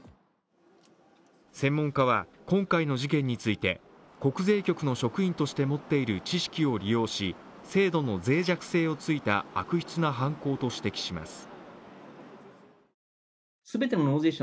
専門家は今回の事件について国税局の職員として持っている知識を利用し、制度の脆弱性を突いた悪質な犯行と指摘します。